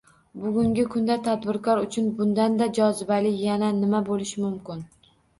Bugungi kunda tadbirkor uchun bundan-da jozibali yana nima bo‘lishi mumkin?